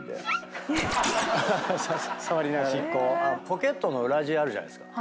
ポケットの裏地あるじゃないですか。